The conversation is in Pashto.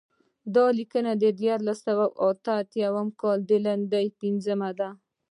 دا لیکنه د دیارلس سوه اته اتیا کال د لیندۍ پنځمه ده.